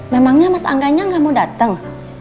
memangnya mas angganya gak mau dateng